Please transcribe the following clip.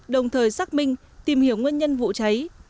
đồng thời xác minh tìm hiểu nguyên nhân vụ cháy